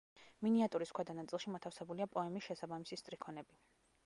მინიატურის ქვედა ნაწილში მოთავსებულია პოემის შესაბამისი სტრიქონები.